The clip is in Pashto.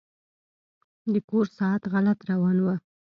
د کور ساعت غلط روان و.